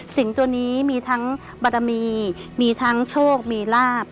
ตัวนี้มีทั้งบารมีมีทั้งโชคมีลาบ